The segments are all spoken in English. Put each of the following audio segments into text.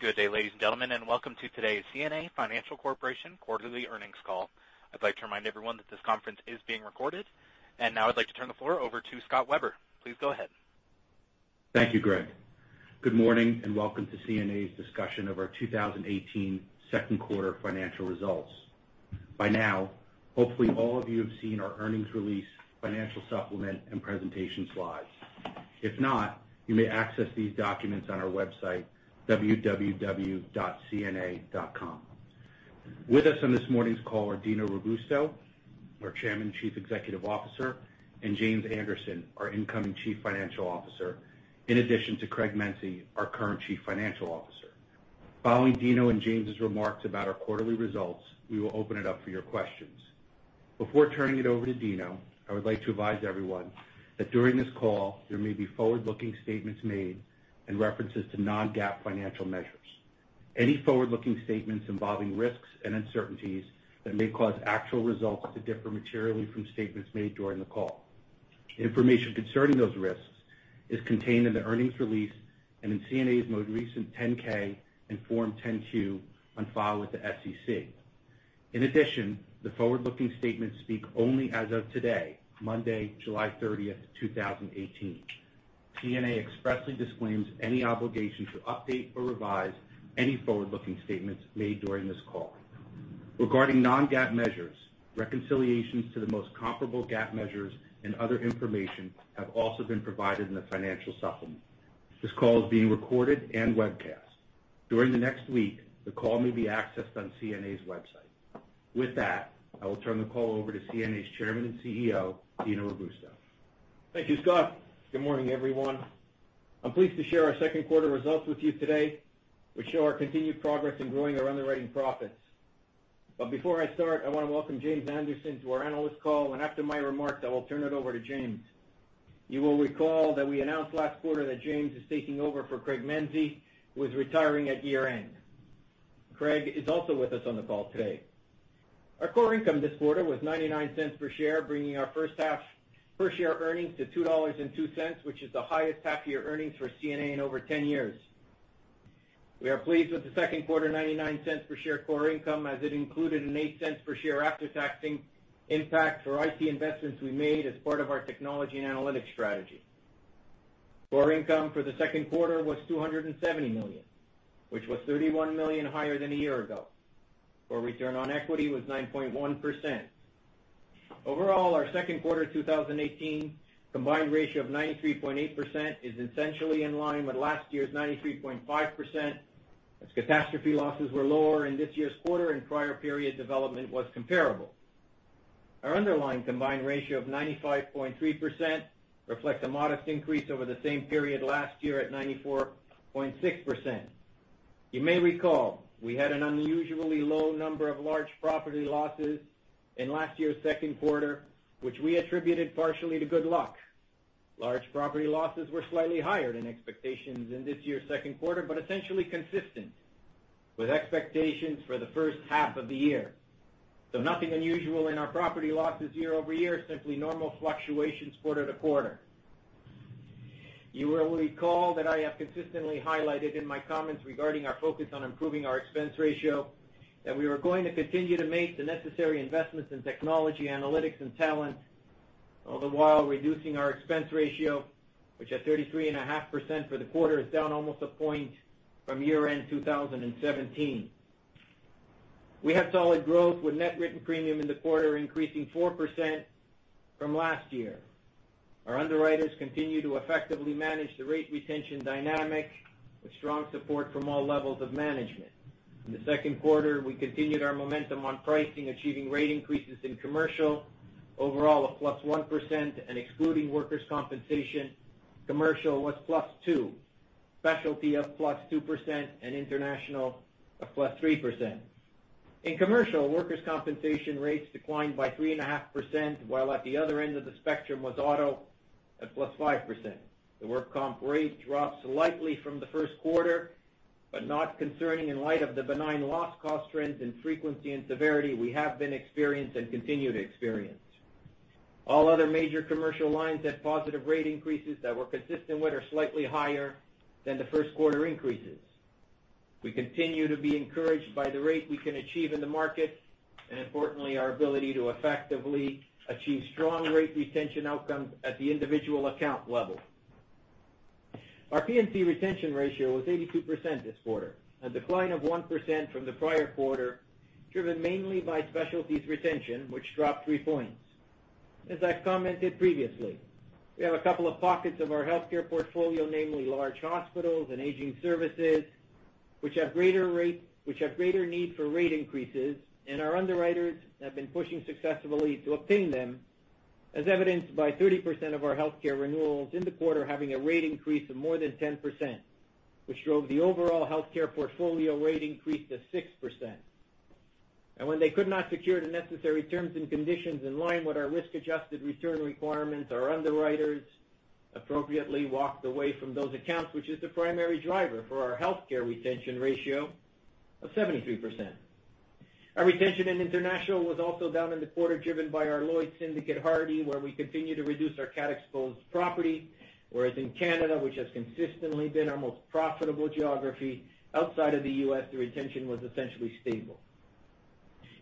Good day, ladies and gentlemen, and welcome to today's CNA Financial Corporation quarterly earnings call. I'd like to remind everyone that this conference is being recorded. Now I'd like to turn the floor over to Scott Weber. Please go ahead. Thank you, Greg. Good morning and welcome to CNA's discussion of our 2018 second quarter financial results. By now, hopefully all of you have seen our earnings release, financial supplement, and presentation slides. If not, you may access these documents on our website, www.cna.com. With us on this morning's call are Dino Robusto, our Chairman and Chief Executive Officer, and James Anderson, our incoming Chief Financial Officer, in addition to Craig Mense, our current Chief Financial Officer. Following Dino and James' remarks about our quarterly results, we will open it up for your questions. Before turning it over to Dino, I would like to advise everyone that during this call, there may be forward-looking statements made and references to non-GAAP financial measures. Any forward-looking statements involving risks and uncertainties that may cause actual results to differ materially from statements made during the call. Information concerning those risks is contained in the earnings release and in CNA's most recent 10-K and Form 10-Q on file with the SEC. The forward-looking statements speak only as of today, Monday, July 30th, 2018. CNA expressly disclaims any obligation to update or revise any forward-looking statements made during this call. Regarding non-GAAP measures, reconciliations to the most comparable GAAP measures and other information have also been provided in the financial supplement. This call is being recorded and webcast. During the next week, the call may be accessed on CNA's website. With that, I will turn the call over to CNA's Chairman and CEO, Dino Robusto. Thank you, Scott. Good morning, everyone. I'm pleased to share our second quarter results with you today, which show our continued progress in growing our underwriting profits. Before I start, I want to welcome James Anderson to our analyst call, and after my remarks, I will turn it over to James. You will recall that we announced last quarter that James is taking over for Craig Mense, who is retiring at year-end. Craig is also with us on the call today. Our core income this quarter was $0.99 per share, bringing our first half per share earnings to $2.02, which is the highest half-year earnings for CNA in over 10 years. We are pleased with the second quarter $0.99 per share core income as it included an $0.08 per share after-tax impact for IT investments we made as part of our technology and analytics strategy. Core income for the second quarter was $270 million, which was $31 million higher than a year ago, where return on equity was 9.1%. Overall, our second quarter 2018 combined ratio of 93.8% is essentially in line with last year's 93.5%, as catastrophe losses were lower in this year's quarter and prior period development was comparable. Our underlying combined ratio of 95.3% reflects a modest increase over the same period last year at 94.6%. You may recall we had an unusually low number of large property losses in last year's second quarter, which we attributed partially to good luck. Large property losses were slightly higher than expectations in this year's second quarter, but essentially consistent with expectations for the first half of the year. Nothing unusual in our property losses year-over-year, simply normal fluctuations quarter-to-quarter. You will recall that I have consistently highlighted in my comments regarding our focus on improving our expense ratio, that we are going to continue to make the necessary investments in technology, analytics, and talent, all the while reducing our expense ratio, which at 33.5% for the quarter, is down almost a point from year-end 2017. We had solid growth with net written premium in the quarter increasing 4% from last year. Our underwriters continue to effectively manage the rate retention dynamic with strong support from all levels of management. In the second quarter, we continued our momentum on pricing, achieving rate increases in commercial overall of +1%, and excluding workers' compensation, commercial was +2%, specialty of +2%, and international of +3%. In commercial, workers' compensation rates declined by 3.5%, while at the other end of the spectrum was auto at +5%. The work comp rate dropped slightly from the first quarter, but not concerning in light of the benign loss cost trends in frequency and severity we have been experienced and continue to experience. All other major commercial lines had positive rate increases that were consistent with or slightly higher than the first quarter increases. We continue to be encouraged by the rate we can achieve in the market, and importantly, our ability to effectively achieve strong rate retention outcomes at the individual account level. Our P&C retention ratio was 82% this quarter, a decline of 1% from the prior quarter, driven mainly by specialty's retention, which dropped three points. As I've commented previously, we have a couple of pockets of our healthcare portfolio, namely large hospitals and aging services, which have greater need for rate increases, and our underwriters have been pushing successfully to obtain them, as evidenced by 30% of our healthcare renewals in the quarter having a rate increase of more than 10%, which drove the overall healthcare portfolio rate increase to 6%. When they could not secure the necessary terms and conditions in line with our risk-adjusted return requirements, our underwriters appropriately walked away from those accounts, which is the primary driver for our healthcare retention ratio of 73%. Our retention in international was also down in the quarter, driven by our Lloyd's Syndicate, Hardy, where we continue to reduce our cat-exposed property, whereas in Canada, which has consistently been our most profitable geography outside of the U.S., the retention was essentially stable.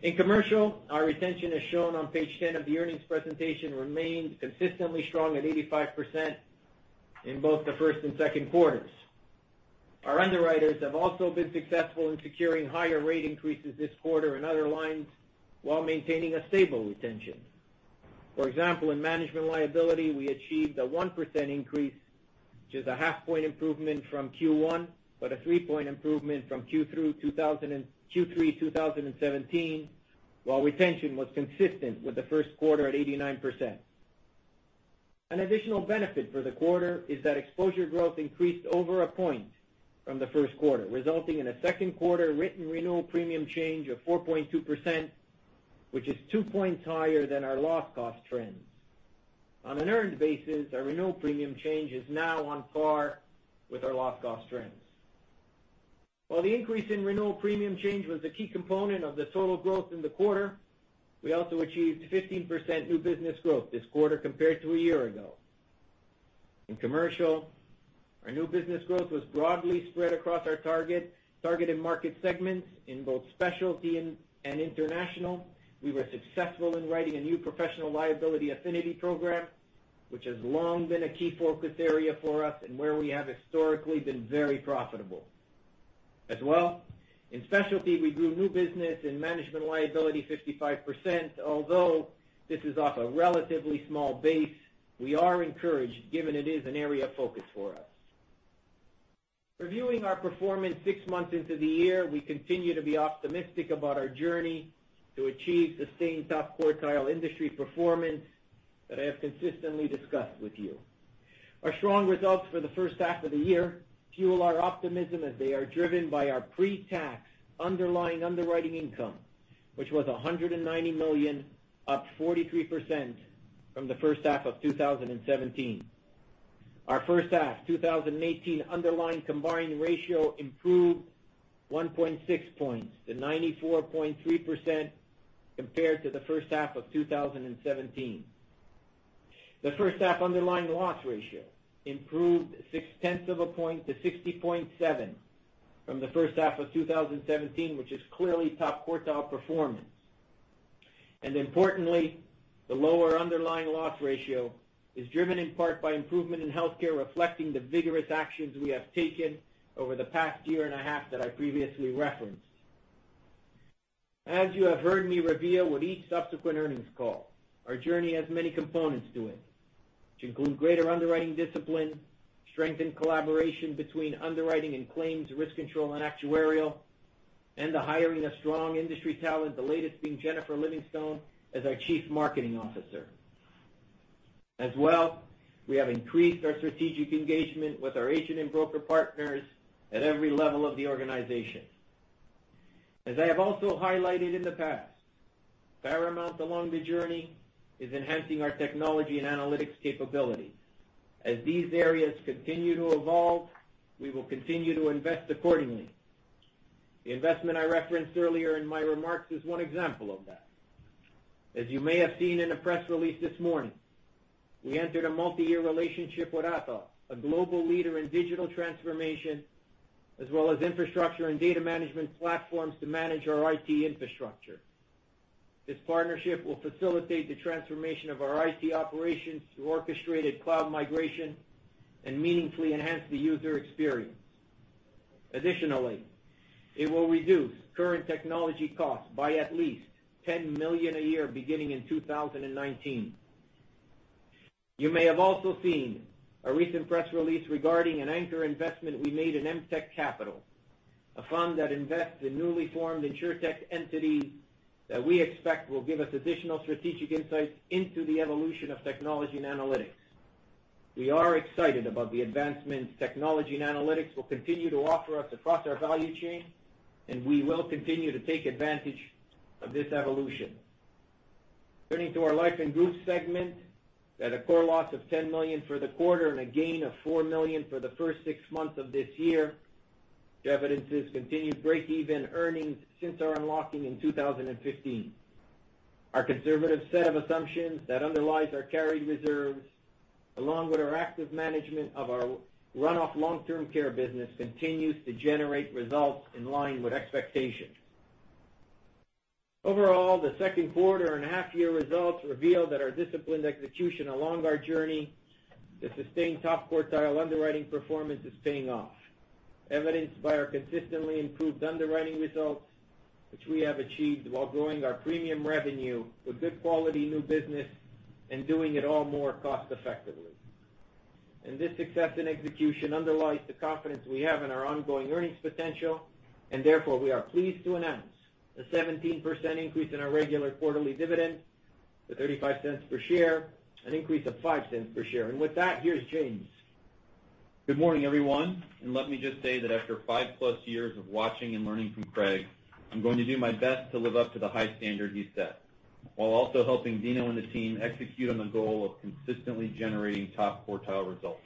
In commercial, our retention, as shown on page 10 of the earnings presentation, remained consistently strong at 85% in both the first and second quarters. Our underwriters have also been successful in securing higher rate increases this quarter in other lines while maintaining a stable retention. For example, in management liability, we achieved a 1% increase, which is a half point improvement from Q1, but a three-point improvement from Q3 2017, while retention was consistent with the first quarter at 89%. An additional benefit for the quarter is that exposure growth increased over a point from the first quarter, resulting in a second quarter written renewal premium change of 4.2%, which is two points higher than our loss cost trends. On an earned basis, our renewal premium change is now on par with our loss cost trends. While the increase in renewal premium change was the key component of the total growth in the quarter, we also achieved 15% new business growth this quarter compared to a year ago. In commercial, our new business growth was broadly spread across our targeted market segments in both specialty and international. We were successful in writing a new professional liability affinity program, which has long been a key focus area for us and where we have historically been very profitable. As well, in specialty, we grew new business in management liability 55%. Although this is off a relatively small base, we are encouraged given it is an area of focus for us. Reviewing our performance six months into the year, we continue to be optimistic about our journey to achieve sustained top quartile industry performance that I have consistently discussed with you. Our strong results for the first half of the year fuel our optimism as they are driven by our pre-tax underlying underwriting income, which was $190 million, up 43% from the first half of 2017. Our first half 2018 underlying combined ratio improved 1.6 points to 94.3% compared to the first half of 2017. The first half underlying loss ratio improved six tenths of a point to 60.7 from the first half of 2017, which is clearly top quartile performance. Importantly, the lower underlying loss ratio is driven in part by improvement in healthcare, reflecting the vigorous actions we have taken over the past year and a half that I previously referenced. You have heard me reveal with each subsequent earnings call, our journey has many components to it, which include greater underwriting discipline, strengthened collaboration between underwriting and claims, risk control, and actuarial, and the hiring of strong industry talent, the latest being Jennifer Livingstone as our Chief Marketing Officer. We have increased our strategic engagement with our agent and broker partners at every level of the organization. I have also highlighted in the past, paramount along the journey is enhancing our technology and analytics capabilities. As these areas continue to evolve, we will continue to invest accordingly. The investment I referenced earlier in my remarks is one example of that. As you may have seen in the press release this morning, we entered a multi-year relationship with Atos, a global leader in digital transformation, as well as infrastructure and data management platforms to manage our IT infrastructure. This partnership will facilitate the transformation of our IT operations through orchestrated cloud migration and meaningfully enhance the user experience. Additionally, it will reduce current technology costs by at least $10 million a year beginning in 2019. You may have also seen a recent press release regarding an anchor investment we made in MTech Capital, a fund that invests in newly formed insurtech entities that we expect will give us additional strategic insights into the evolution of technology and analytics. We are excited about the advancements technology and analytics will continue to offer us across our value chain, and we will continue to take advantage of this evolution. Turning to our life and group segment, we had a core loss of $10 million for the quarter and a gain of $4 million for the first six months of this year, which evidences continued break-even earnings since our unlocking in 2015. Our conservative set of assumptions that underlies our carried reserves, along with our active management of our run-off long-term care business, continues to generate results in line with expectations. Overall, the second quarter and half-year results reveal that our disciplined execution along our journey to sustained top quartile underwriting performance is paying off, evidenced by our consistently improved underwriting results, which we have achieved while growing our premium revenue with good quality new business and doing it all more cost effectively. This success in execution underlies the confidence we have in our ongoing earnings potential, therefore, we are pleased to announce a 17% increase in our regular quarterly dividend to $0.35 per share, an increase of $0.05 per share. With that, here's James. Good morning, everyone. Let me just say that after 5-plus years of watching and learning from Craig, I'm going to do my best to live up to the high standard he set, while also helping Dino and the team execute on the goal of consistently generating top quartile results.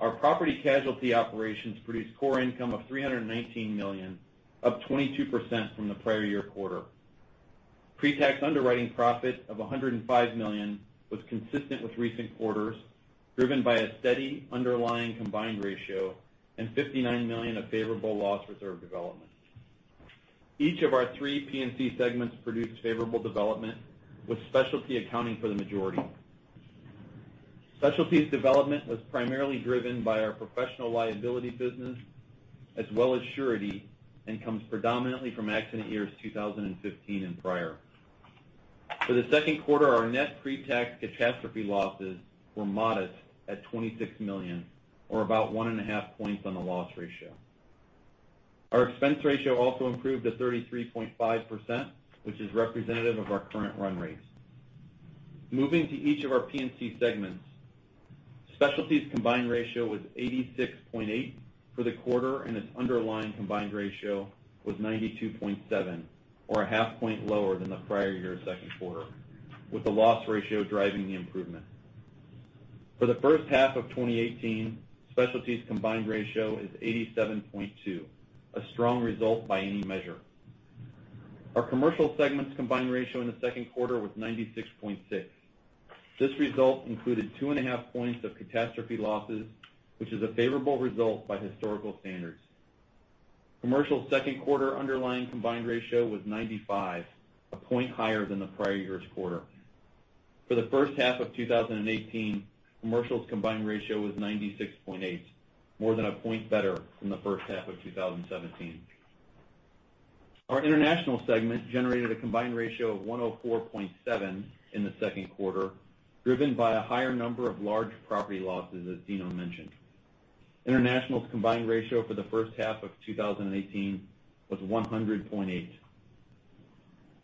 Our property casualty operations produced core income of $319 million, up 22% from the prior year quarter. Pre-tax underwriting profit of $105 million was consistent with recent quarters, driven by a steady underlying combined ratio and $59 million of favorable loss reserve development. Each of our three P&C segments produced favorable development, with specialty accounting for the majority. Specialty's development was primarily driven by our professional liability business, as well as surety, and comes predominantly from accident years 2015 and prior. For the second quarter, our net pre-tax catastrophe losses were modest at $26 million, or about one and a half points on the loss ratio. Our expense ratio also improved to 33.5%, which is representative of our current run rates. Moving to each of our P&C segments, Specialty's combined ratio was 86.8% for the quarter, and its underlying combined ratio was 92.7%, or a half point lower than the prior year's second quarter, with the loss ratio driving the improvement. For the first half of 2018, Specialty's combined ratio is 87.2%, a strong result by any measure. Our Commercial segment's combined ratio in the second quarter was 96.6%. This result included two and a half points of catastrophe losses, which is a favorable result by historical standards. Commercial's second quarter underlying combined ratio was 95%, a point higher than the prior year's quarter. For the first half of 2018, Commercial's combined ratio was 96.8%, more than a point better than the first half of 2017. Our International segment generated a combined ratio of 104.7% in the second quarter, driven by a higher number of large property losses, as Dino mentioned. International's combined ratio for the first half of 2018 was 100.8%.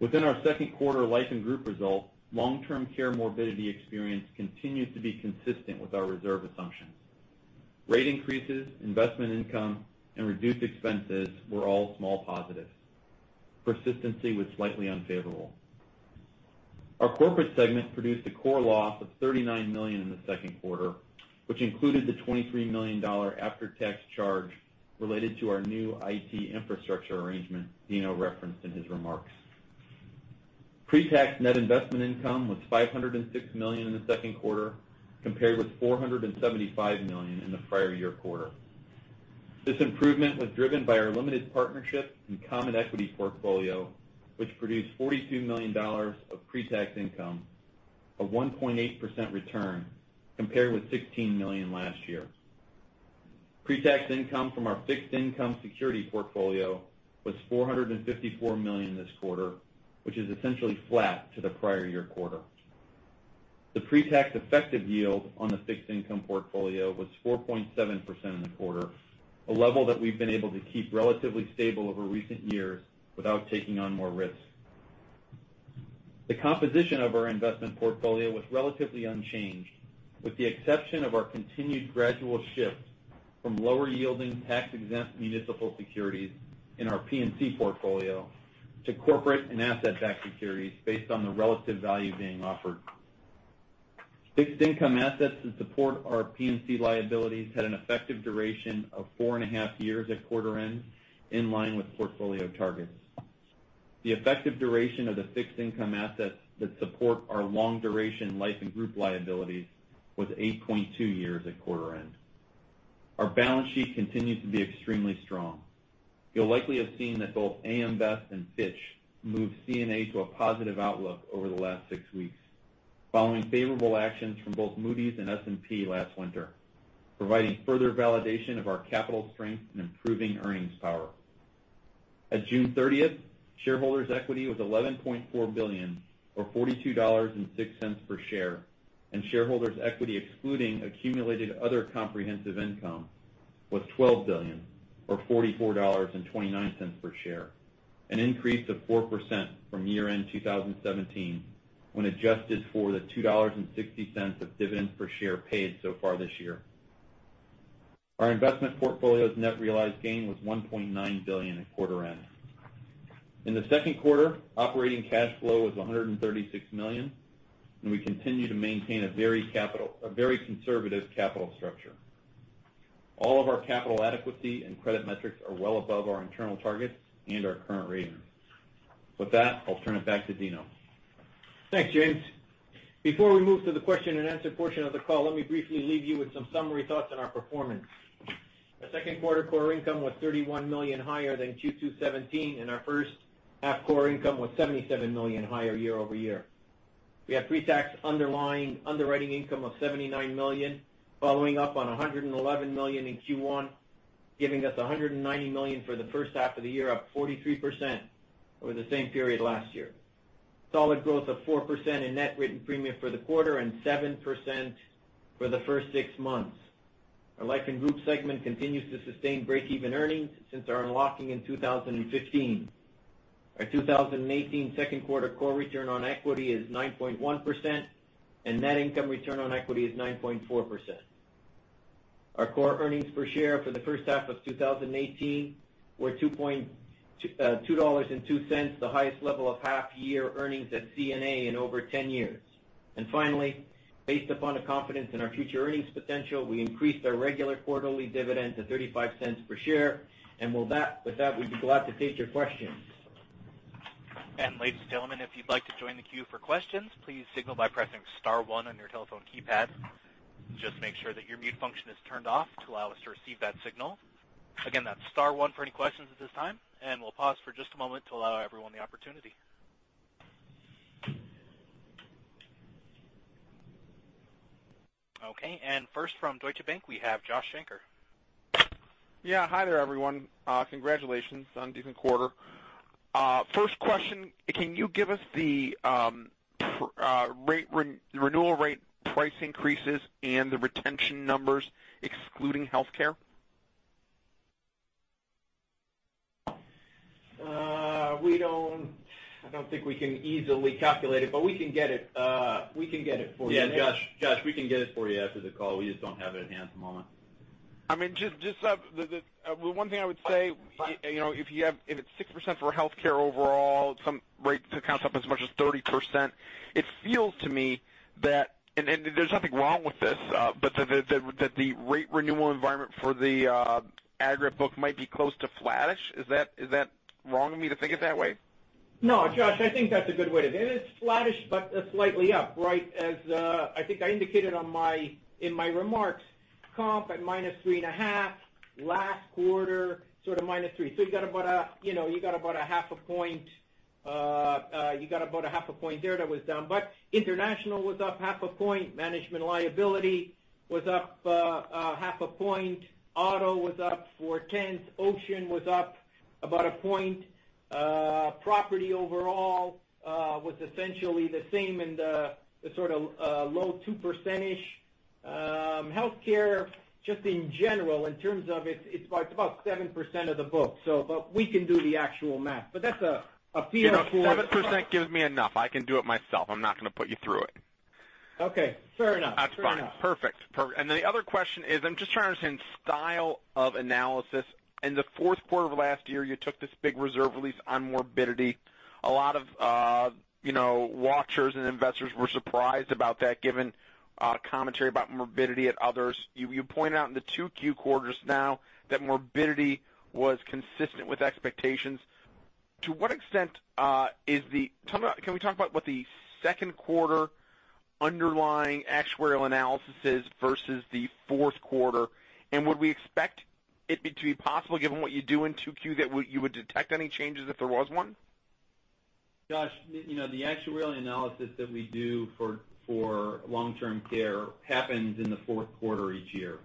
Within our second quarter Life & Group result, long-term care morbidity experience continues to be consistent with our reserve assumptions. Rate increases, investment income, and reduced expenses were all small positives. Persistency was slightly unfavorable. Our Corporate segment produced a core loss of $39 million in the second quarter, which included the $23 million after-tax charge related to our new IT infrastructure arrangement Dino referenced in his remarks. Pre-tax net investment income was $506 million in the second quarter, compared with $475 million in the prior year quarter. This improvement was driven by our limited partnership and common equity portfolio, which produced $42 million of pre-tax income, a 1.8% return, compared with $16 million last year. Pre-tax income from our fixed income security portfolio was $454 million this quarter, which is essentially flat to the prior year quarter. The pre-tax effective yield on the fixed income portfolio was 4.7% in the quarter, a level that we've been able to keep relatively stable over recent years without taking on more risk. The composition of our investment portfolio was relatively unchanged, with the exception of our continued gradual shift from lower-yielding tax-exempt municipal securities in our P&C portfolio to corporate and asset-backed securities based on the relative value being offered. Fixed income assets that support our P&C liabilities had an effective duration of four and a half years at quarter end, in line with portfolio targets. The effective duration of the fixed income assets that support our long-duration Life & Group liabilities was 8.2 years at quarter end. Our balance sheet continues to be extremely strong. You'll likely have seen that both AM Best and Fitch moved CNA to a positive outlook over the last six weeks, following favorable actions from both Moody's and S&P last winter, providing further validation of our capital strength and improving earnings power. At June 30th, shareholders' equity was $11.4 billion, or $42.06 per share, and shareholders' equity excluding accumulated other comprehensive income was $12 billion, or $44.29 per share, an increase of 4% from year-end 2017 when adjusted for the $2.60 of dividends per share paid so far this year. Our investment portfolio's net realized gain was $1.9 billion at quarter end. In the second quarter, operating cash flow was $136 million. We continue to maintain a very conservative capital structure. All of our capital adequacy and credit metrics are well above our internal targets and our current ratings. With that, I'll turn it back to Dino. Thanks, James. Before we move to the question and answer portion of the call, let me briefly leave you with some summary thoughts on our performance. Our second quarter core income was $31 million higher than Q2 2017. Our first half core income was $77 million higher year-over-year. We have pre-tax underwriting income of $79 million, following up on $111 million in Q1, giving us $190 million for the first half of the year, up 43% over the same period last year. Solid growth of 4% in net written premium for the quarter, 7% for the first six months. Our Life & Group segment continues to sustain break-even earnings since our unlocking in 2015. Our 2018 second quarter core return on equity is 9.1%. Net income return on equity is 9.4%. Our core earnings per share for the first half of 2018 were $2.02, the highest level of half-year earnings at CNA in over 10 years. Finally, based upon the confidence in our future earnings potential, we increased our regular quarterly dividend to $0.35 per share. With that, we'd be glad to take your questions. Ladies and gentlemen, if you'd like to join the queue for questions, please signal by pressing star one on your telephone keypad. Just make sure that your mute function is turned off to allow us to receive that signal. Again, that's star one for any questions at this time. We'll pause for just a moment to allow everyone the opportunity. Okay. First, from Deutsche Bank, we have Joshua Shanker. Yeah. Hi there, everyone. Congratulations on a decent quarter. First question, can you give us the renewal rate price increases and the retention numbers excluding healthcare? I don't think we can easily calculate it, but we can get it for you. Yeah, Josh, we can get it for you after the call. We just don't have it at hand at the moment. Just the one thing I would say, if it's 6% for healthcare overall, some rates accounts up as much as 30%, it feels to me that, and there's nothing wrong with this, but that the rate renewal environment for the aggregate book might be close to flattish. Is that wrong of me to think it that way? No, Josh, I think that is a good way to do it. It is flattish but slightly up. I think I indicated in my remarks, comp at minus three and a half, last quarter sort of minus three. You got about a half a point there that was down, but international was up half a point, management liability was up half a point. Auto was up four tenths, ocean was up about a point. Property overall was essentially the same in the sort of low two percentage. Healthcare, just in general, in terms of it is about 7% of the book. We can do the actual math. That is a feel for it. 7% gives me enough. I can do it myself. I am not going to put you through it. Okay, fair enough. That is fine. Perfect. The other question is, I am just trying to understand style of analysis. In the fourth quarter of last year, you took this big reserve release on morbidity. A lot of watchers and investors were surprised about that given commentary about morbidity at others. You pointed out in the 2Q quarters now that morbidity was consistent with expectations. Can we talk about what the second quarter underlying actuarial analysis is versus the fourth quarter, and would we expect it to be possible, given what you do in 2Q, that you would detect any changes if there was one? Josh, the actuarial analysis that we do for long-term care happens in the fourth quarter each year.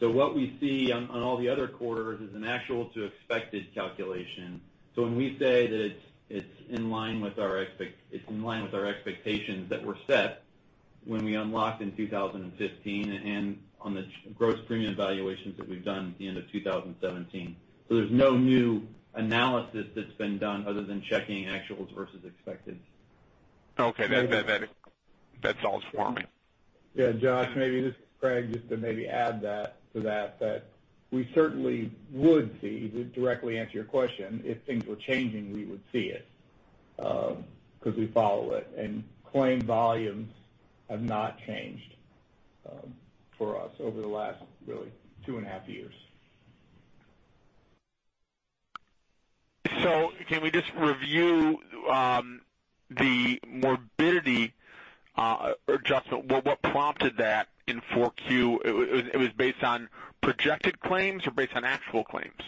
What we see on all the other quarters is an actual to expected calculation. When we say that it's in line with our expectations that were set when we unlocked in 2015 and on the gross premium valuations that we've done at the end of 2017. There's no new analysis that's been done other than checking actuals versus expected. Okay. That solves for me. Yeah, Josh, this is Craig. Just to maybe add to that we certainly would see, to directly answer your question, if things were changing, we would see it, because we follow it, and claim volumes have not changed for us over the last really two and a half years. Can we just review the morbidity adjustment? What prompted that in 4Q? It was based on projected claims or based on actual claims?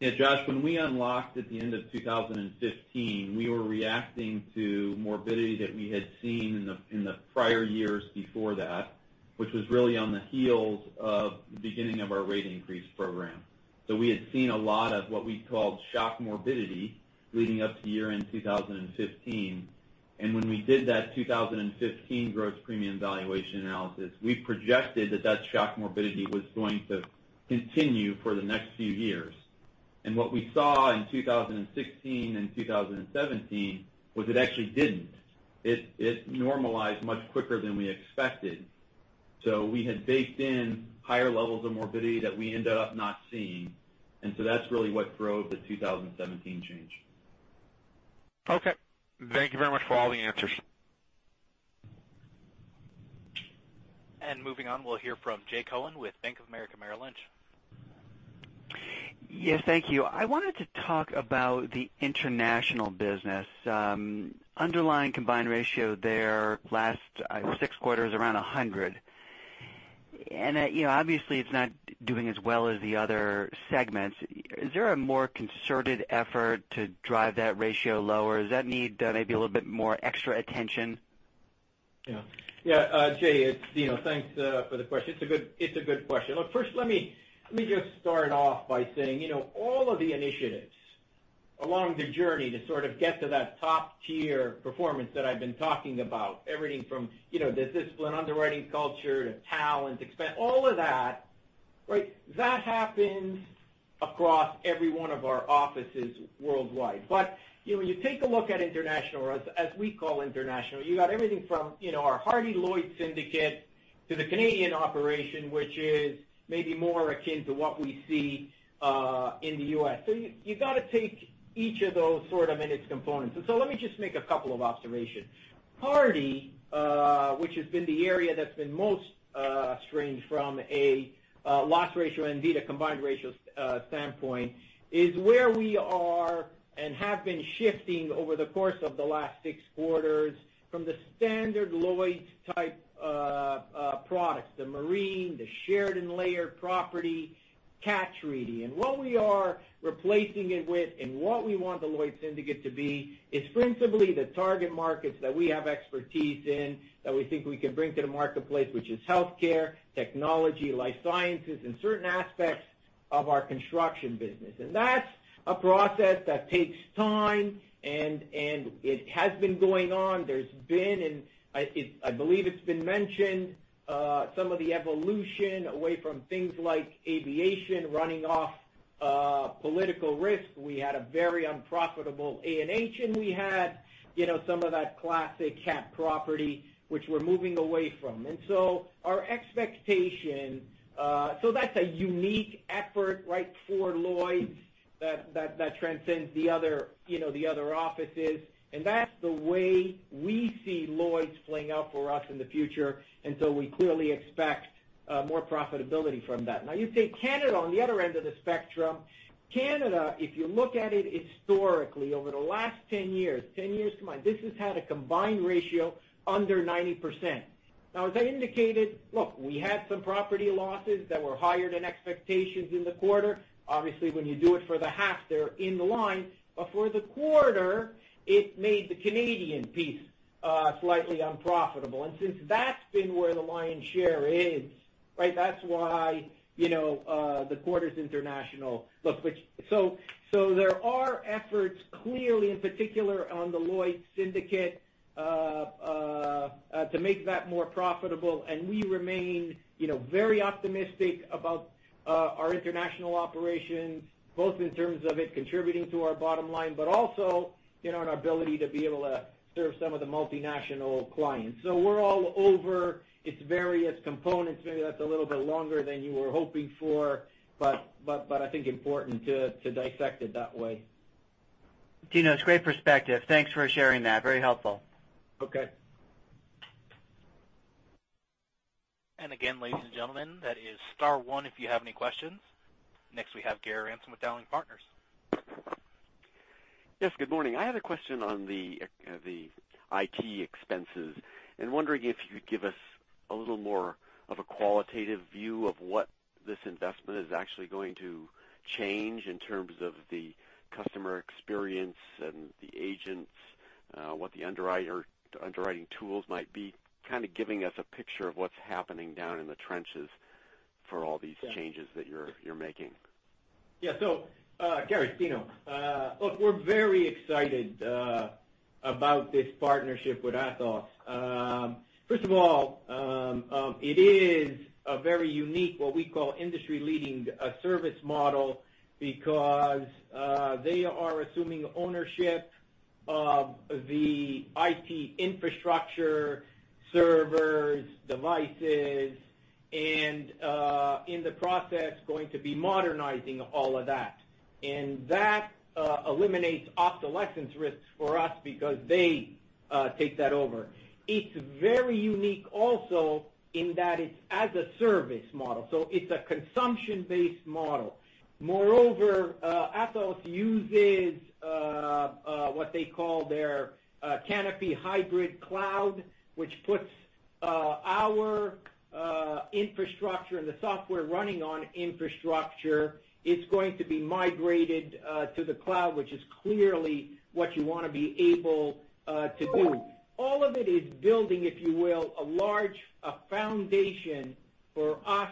Josh, when we unlocked at the end of 2015, we were reacting to morbidity that we had seen in the prior years before that, which was really on the heels of the beginning of our rate increase program. We had seen a lot of what we called shock morbidity leading up to year-end 2015. When we did that 2015 gross premium valuation analysis, we projected that shock morbidity was going to continue for the next few years. What we saw in 2016 and 2017 was it actually didn't. It normalized much quicker than we expected. That's really what drove the 2017 change. Okay. Thank you very much for all the answers. Moving on, we'll hear from Jay Cohen with Bank of America Merrill Lynch. Yes, thank you. I wanted to talk about the international business. Underlying combined ratio there last six quarters around 100. Obviously, it's not doing as well as the other segments. Is there a more concerted effort to drive that ratio lower? Does that need maybe a little bit more extra attention? Jay, thanks for the question. It's a good question. Look, first, let me just start off by saying, all of the initiatives along the journey to sort of get to that top-tier performance that I've been talking about, everything from the discipline underwriting culture to talent, expense, all of that happens across every one of our offices worldwide. When you take a look at international, or as we call international, you got everything from our Hardy Lloyd's Syndicate to the Canadian operation, which is maybe more akin to what we see in the U.S. You've got to take each of those sort of in its components. Let me just make a couple of observations. Hardy, which has been the area that's been most strained from a loss ratio and indeed, a combined ratio standpoint, is where we are and have been shifting over the course of the last six quarters from the standard Lloyd's type products, the marine, the shared and layered property cat treaty. What we are replacing it with and what we want the Lloyd's Syndicate to be is principally the target markets that we have expertise in, that we think we can bring to the marketplace, which is healthcare, technology, life sciences, and certain aspects of our construction business. That's a process that takes time, and it has been going on. There's been, and I believe it's been mentioned, some of the evolution away from things like aviation, running off political risk. We had a very unprofitable A&H, and we had some of that classic cat property which we're moving away from. That's a unique effort for Lloyd's that transcends the other offices. That's the way we see Lloyd's playing out for us in the future, we clearly expect more profitability from that. Now, you take Canada on the other end of the spectrum. Canada, if you look at it historically over the last 10 years, this has had a combined ratio under 90%. Now, as I indicated, look, we had some property losses that were higher than expectations in the quarter. Obviously, when you do it for the half, they're in the line. For the quarter, it made the Canadian piece slightly unprofitable. Since that's been where the lion's share is, that's why the quarters international. There are efforts clearly, in particular on the Lloyd's Syndicate, to make that more profitable, and we remain very optimistic about our international operations, both in terms of it contributing to our bottom line, but also in our ability to be able to serve some of the multinational clients. We're all over its various components. Maybe that's a little bit longer than you were hoping for, but I think important to dissect it that way. Dino, it's great perspective. Thanks for sharing that. Very helpful. Okay. Again, ladies and gentlemen, that is star one if you have any questions. Next we have Gary Ransom with Dowling & Partners. Yes, good morning. I had a question on the IT expenses. Wondering if you could give us a little more of a qualitative view of what this investment is actually going to change in terms of the customer experience and the agents, what the underwriting tools might be. Kind of giving us a picture of what's happening down in the trenches for all these changes that you're making. Yeah. Gary, it's Dino. Look, we're very excited about this partnership with Atos. First of all, it is a very unique, what we call industry leading service model because they are assuming ownership of the IT infrastructure, servers, devices, and in the process, going to be modernizing all of that. That eliminates obsolescence risks for us because they take that over. It's very unique also in that it's as a service model. It's a consumption-based model. Moreover, Atos uses what they call their Canopy Hybrid Cloud, which puts our infrastructure and the software running on infrastructure is going to be migrated to the cloud, which is clearly what you want to be able to do. All of it is building, if you will, a large foundation for us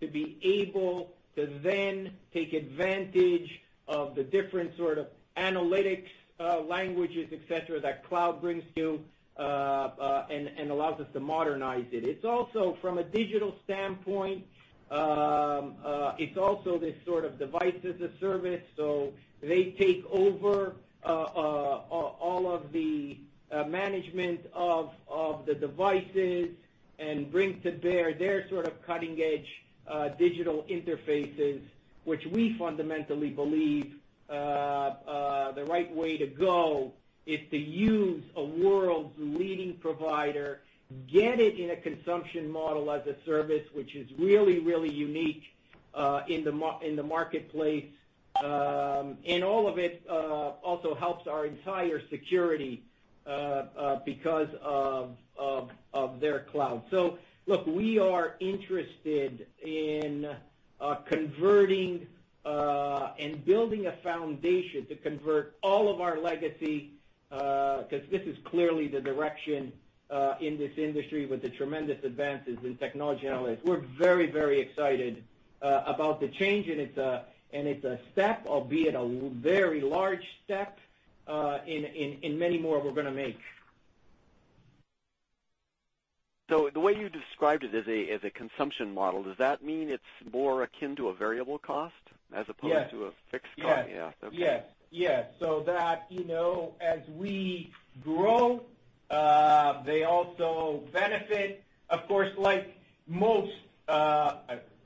to be able to then take advantage of the different sort of analytics, languages, et cetera, that cloud brings to and allows us to modernize it. It's also from a digital standpoint, it's also this sort of device as a service. They take over all of the management of the devices and bring to bear their sort of cutting edge digital interfaces, which we fundamentally believe the right way to go is to use a world's leading provider, get it in a consumption model as a service, which is really, really unique in the marketplace. All of it also helps our entire security because of their cloud. Look, we are interested in converting and building a foundation to convert all of our legacy because this is clearly the direction in this industry with the tremendous advances in technology and all this. We're very, very excited about the change, and it's a step, albeit a very large step, in many more we're going to make. The way you described it as a consumption model, does that mean it's more akin to a variable cost as opposed to a fixed cost? Yes. Yeah. Okay. As we grow Of course, like most,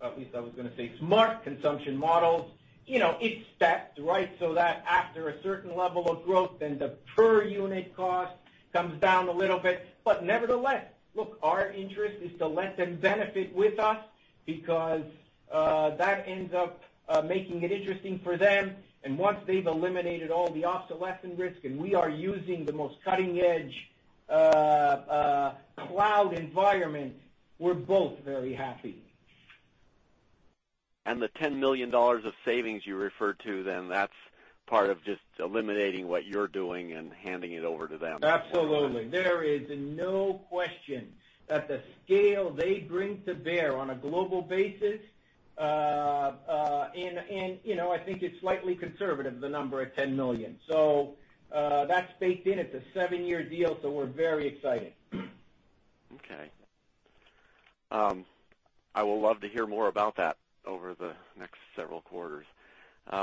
at least I was going to say smart consumption models, it's stepped, so that after a certain level of growth, then the per unit cost comes down a little bit. Nevertheless, look, our interest is to let them benefit with us because that ends up making it interesting for them. Once they've eliminated all the obsolescence risk and we are using the most cutting-edge cloud environment, we're both very happy. The $10 million of savings you referred to, that's part of just eliminating what you're doing and handing it over to them? Absolutely. There is no question that the scale they bring to bear on a global basis, and I think it's slightly conservative, the number at $10 million. That's baked in. It's a seven-year deal, so we're very excited. Okay. I will love to hear more about that over the next several quarters.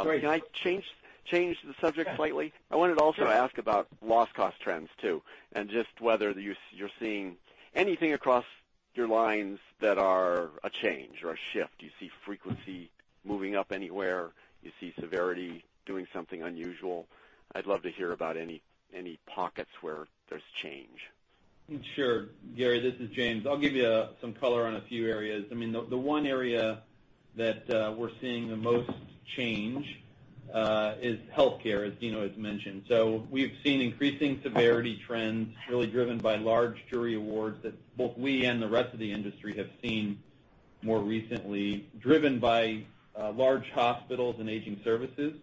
Great. Can I change the subject slightly? Sure. I wanted to also ask about loss cost trends too, and just whether you're seeing anything across your lines that are a change or a shift. Do you see frequency moving up anywhere? You see severity doing something unusual? I'd love to hear about any pockets where there's change. Sure. Gary, this is James. I'll give you some color on a few areas. The one area that we're seeing the most change is healthcare, as Dino has mentioned. We've seen increasing severity trends really driven by large jury awards that both we and the rest of the industry have seen more recently, driven by large hospitals and aging services.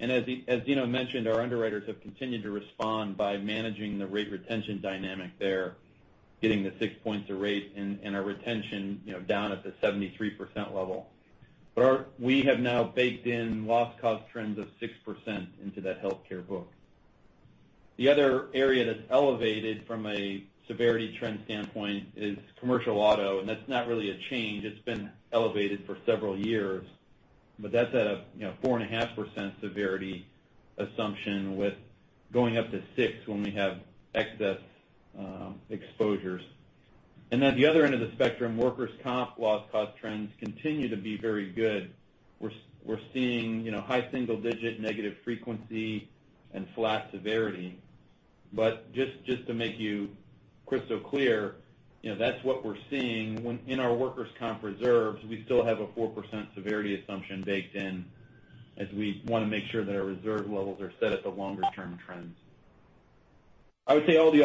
As Dino mentioned, our underwriters have continued to respond by managing the rate retention dynamic there, getting the six points of rate and our retention down at the 73% level. We have now baked in loss cost trends of 6% into that healthcare book. The other area that's elevated from a severity trend standpoint is commercial auto, and that's not really a change. It's been elevated for several years, but that's at a 4.5% severity assumption, with going up to six when we have excess exposures. At the other end of the spectrum, workers' comp loss cost trends continue to be very good. We're seeing high single-digit negative frequency and flat severity. Just to make you crystal clear, that's what we're seeing. In our workers' comp reserves, we still have a 4% severity assumption baked in as we want to make sure that our reserve levels are set at the longer term trends. I would say all the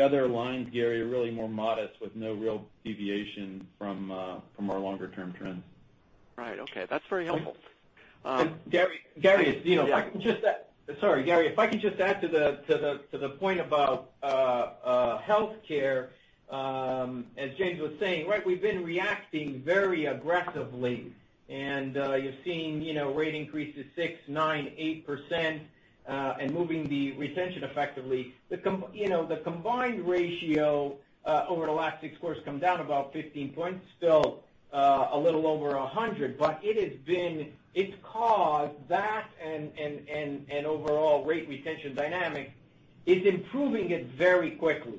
other lines, Gary, are really more modest with no real deviation from our longer-term trends. Right. Okay. That's very helpful. Gary, it's Dino. Yeah. Sorry, Gary, if I could just add to the point about healthcare, as James was saying, we've been reacting very aggressively, you're seeing rate increases 6%, 9%, 8%, moving the retention effectively. The combined ratio over the last six quarters come down about 15 points, still a little over 100. It's caused that and overall rate retention dynamic is improving it very quickly.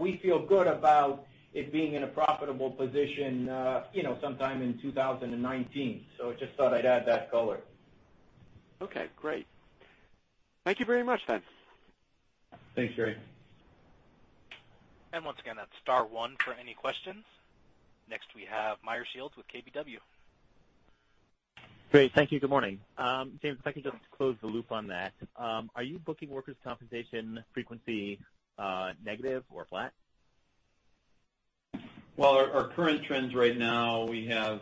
We feel good about it being in a profitable position sometime in 2019. Just thought I'd add that color. Okay, great. Thank you very much. Thanks, Gary. Once again, that's star one for any questions. Next, we have Meyer Shields with KBW. Great. Thank you. Good morning. James, if I could just close the loop on that. Are you booking workers' compensation frequency negative or flat? Well, our current trends right now, we have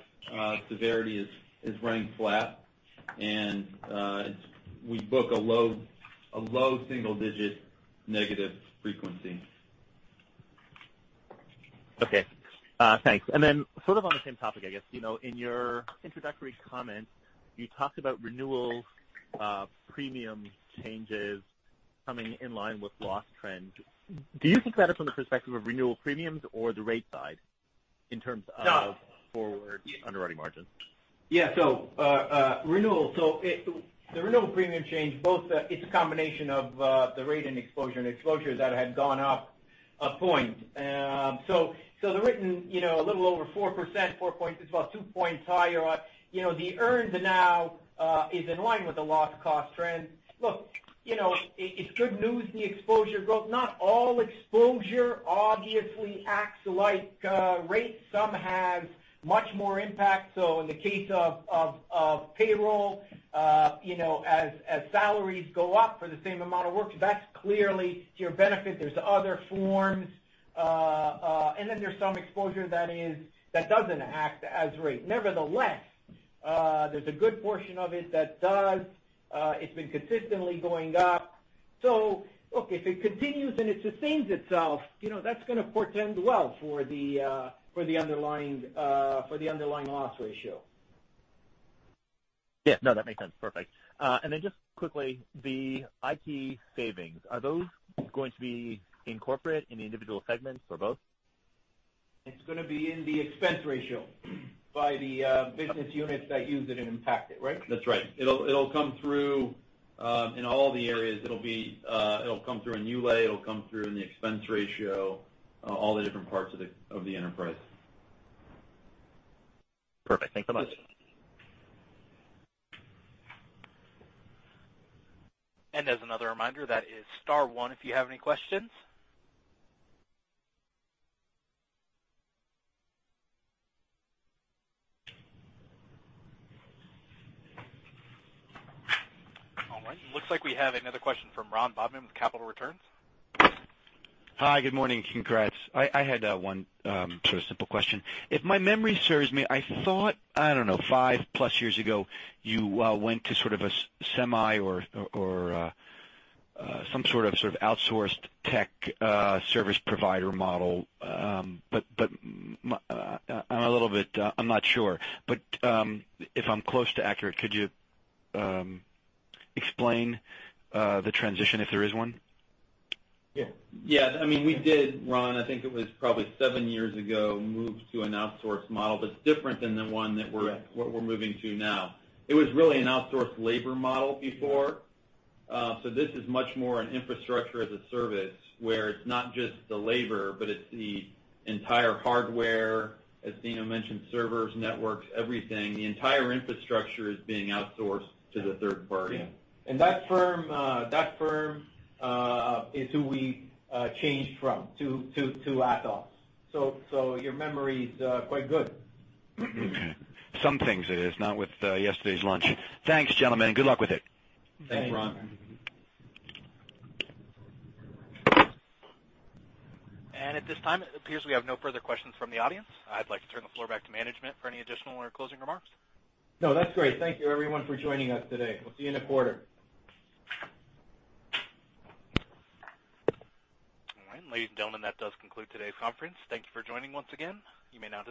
severity is running flat, and we book a low single-digit negative frequency. Thanks. Then sort of on the same topic, I guess, in your introductory comments, you talked about renewal premium changes coming in line with loss trends. Do you think about it from the perspective of renewal premiums or the rate side in terms of forward underwriting margins? Yeah. The renewal premium change both, it's a combination of the rate and exposure that had gone up a point. The written, a little over 4%, four points, it's about two points higher. The earned now is in line with the loss cost trends. Look, it's good news, the exposure growth. Not all exposure obviously acts like rates. Some have much more impact. In the case of payroll, as salaries go up for the same amount of work, that's clearly to your benefit. There's other forms, then there's some exposure that doesn't act as rate. Nevertheless, there's a good portion of it that does. It's been consistently going up. Look, if it continues and it sustains itself, that's going to portend well for the underlying loss ratio. Yeah. No, that makes sense. Perfect. Then just quickly, the IT savings, are those going to be in corporate, in the individual segments or both? It's going to be in the expense ratio by the business units that use it and impact it, right? That's right. It'll come through in all the areas. It'll come through in ULAE. It'll come through in the expense ratio, all the different parts of the enterprise. Perfect. Thanks so much. As another reminder, that is star one if you have any questions. All right. Looks like we have another question from Ron Bobman with Capital Returns. Hi, good morning. Congrats. I had one sort of simple question. If my memory serves me, I thought, I don't know, five plus years ago, you went to sort of a semi or some sort of outsourced tech service provider model. I'm not sure. If I'm close to accurate, could you explain the transition, if there is one? Yeah. I mean, we did, Ron, I think it was probably seven years ago, moved to an outsourced model, but it's different than the one that we're moving to now. It was really an outsourced labor model before. This is much more an infrastructure as a service, where it's not just the labor, but it's the entire hardware, as Dino mentioned, servers, networks, everything. The entire infrastructure is being outsourced to the third party. Yeah. That firm is who we changed from to Atos. Your memory is quite good. Okay. Some things it is, not with yesterday's lunch. Thanks, gentlemen. Good luck with it. Thanks. Thanks, Ron. At this time, it appears we have no further questions from the audience. I'd like to turn the floor back to management for any additional or closing remarks. No, that's great. Thank you everyone for joining us today. We'll see you in a quarter. All right. Ladies and gentlemen, that does conclude today's conference. Thank you for joining once again. You may now disconnect.